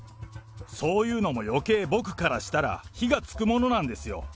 そういうのもよけい、僕からしたら、火がつくものなんですよ。